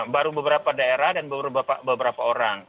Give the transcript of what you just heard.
baru beberapa daerah dan beberapa orang